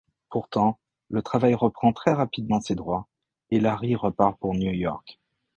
Pourtant, le travail reprend très rapidement ses droits et Larry repart pour New York.